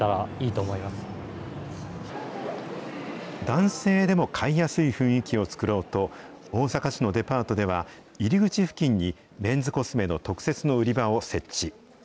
男性でも買いやすい雰囲気を作ろうと、大阪市のデパートでは、入り口付近にメンズコスメの特設の売り場を設置。